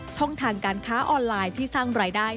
ช่องทางการค้าออนไลน์ที่สร้างรายได้